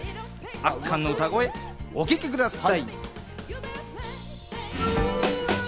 圧巻の歌声、お聴きください。